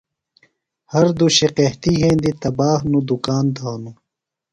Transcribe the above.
ہر دوشیۡ قحطیۡ یھندیۡ، تباہ نوۡ دُکان تھانوۡ